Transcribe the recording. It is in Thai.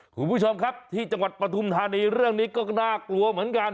คุณผู้ชมครับที่จังหวัดปฐุมธานีเรื่องนี้ก็น่ากลัวเหมือนกัน